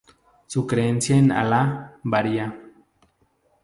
Su creencia en "Allah" varía.